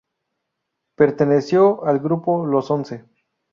Perteneció al grupo Los Once.